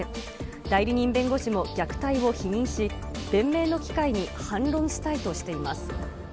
代理人弁護士も虐待を否認し、弁明の機会に反論したいとしています。